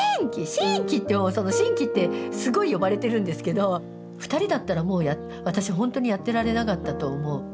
真気！」ってその「真気」ってすごい呼ばれてるんですけど２人だったらもう私ほんとにやってられなかったと思う。